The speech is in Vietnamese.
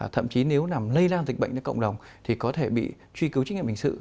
thậm chí nếu nằm lây lan dịch bệnh đến cộng đồng thì có thể bị truy cứu trinh nghiệm hình sự